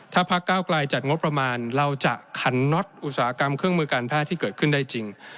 ถ้าพักเก้าไกลจัดงบประมาณเราจะขันน็อตอุตสาหกรรมเครื่องมือการแพทย์ที่เกิดขึ้นได้จริง